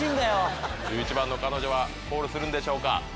１１番の彼女はコールするんでしょうか？